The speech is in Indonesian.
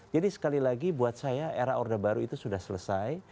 jadi sekali lagi buat saya era order baru itu sudah selesai